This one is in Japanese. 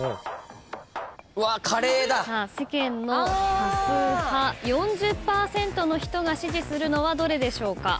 さあ世間の多数派４０％の人が支持するのはどれでしょうか？